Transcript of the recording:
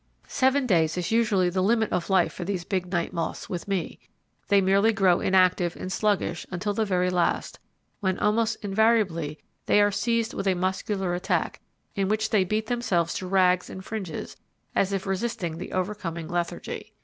Seven days is usually the limit of life for these big night moths with me; they merely grow inactive and sluggish until the very last, when almost invariably they are seized with a muscular attack, in which they beat themselves to rags and fringes, as if resisting the overcoming lethargy.